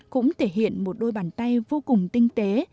cũng thể hiện một đôi bàn tay vô cùng tinh tế